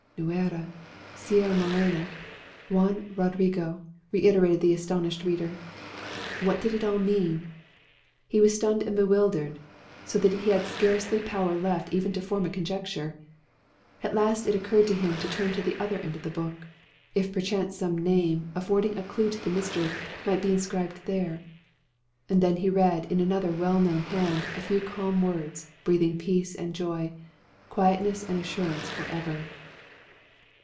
"Nuera! Sierra Morena! Juan Rodrigo!" reiterated the astonished reader. What did it all mean? He was stunned and bewildered, so that he had scarcely power left even to form a conjecture. At last it occurred to him to turn to the other end of the book, if perchance some name, affording a clue to the mystery, might be inscribed there. And then he read, in another, well known hand, a few calm words, breathing peace and joy, "quietness and assurance for ever."